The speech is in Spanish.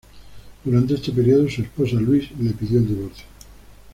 Durante este periodo, su esposa Louise le pidió el divorcio.